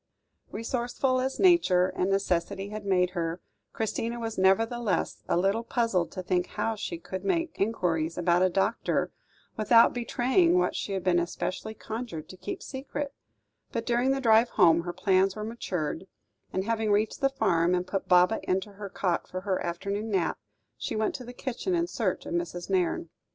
Resourceful as nature and necessity had made her, Christina was nevertheless a little puzzled to think how she could make enquiries about a doctor, without betraying what she had been especially conjured to keep secret; but during the drive home her plans were matured, and, having reached the farm, and put Baba into her cot for her afternoon nap, she went to the kitchen in search of Mrs. Nairne.